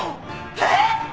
えっ！？